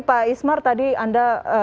pak ismar tadi anda